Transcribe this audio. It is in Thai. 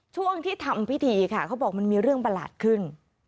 ช่วงที่ทำพิธีค่ะเขาบอกมันมีเรื่องประหลาดขึ้น